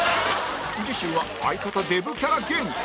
次週は相方デブキャラ芸人